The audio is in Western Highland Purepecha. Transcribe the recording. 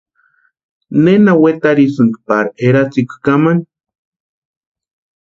¿Nena wetarhisïnki pari eratsikwa kamani?